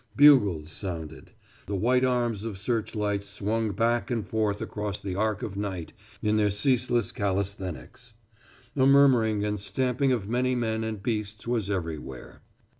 Bugles sounded; the white arms of search lights swung back and forth across the arc of night in their ceaseless calisthenics; a murmuring and stamping of many men and beasts was everywhere.